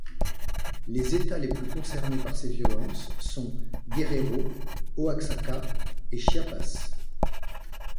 Les états les plus concernés par ces violences sont Guerrero, Oaxaca et Chiapas.